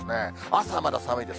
朝はまだ寒いです。